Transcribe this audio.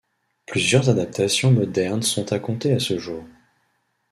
Plusieurs adaptations modernes sont à compter à ce jour.